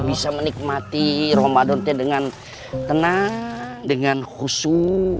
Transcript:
bisa menikmati ramadan ini dengan tenang dengan khusus